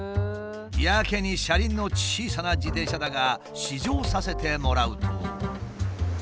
やけに車輪の小さな自転車だが試乗させてもらうと。